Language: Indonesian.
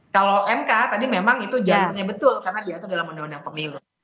kalau mk tadi memang itu jalurnya betul karena diatur dalam undang undang pemilu